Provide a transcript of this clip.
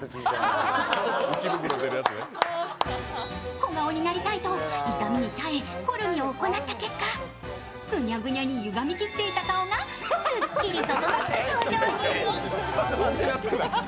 小顔になりたいと痛みに耐えコルギを行った結果、ぐにゃぐにゃにゆがみまくってた顔がすっきりと。